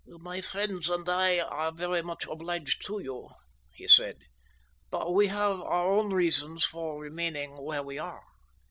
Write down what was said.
"My friends and I are very much obliged to you," he said, "but we have our own reasons for remaining where we are.